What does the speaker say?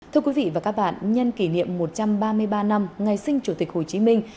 thưa quý vị và các bạn nhân kỷ niệm một trăm ba mươi ba năm ngày sinh chủ tịch hồ chí minh